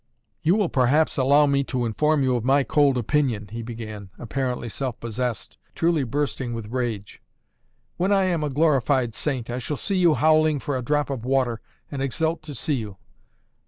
"You will perhaps allow me to inform you of my cold opinion," he began, apparently self possessed, truly bursting with rage: "when I am a glorified saint, I shall see you howling for a drop of water and exult to see you.